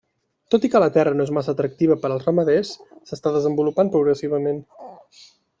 Tot i que la terra no és massa atractiva per als ramaders, s'està desenvolupant progressivament.